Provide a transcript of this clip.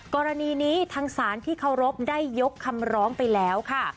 กรณีนี้ทางศาลที่เคารพได้ยกคำร้องไปแล้วค่ะ